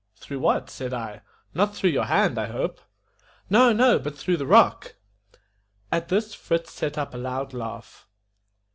"Through what?" said I. "Not through your hand, I hope." "No, no, but through the rock." At this, Fritz set up a loud laugh.